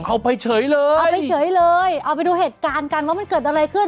เอาไปเฉยเลยเอาไปเฉยเลยเอาไปดูเหตุการณ์กันว่ามันเกิดอะไรขึ้น